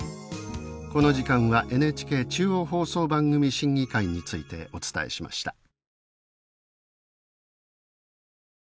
この時間はＮＨＫ中央放送番組審議会についてお伝えしました。